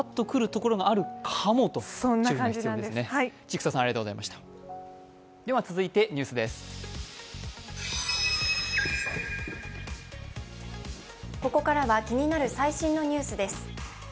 ここからは気になる最新のニュースです。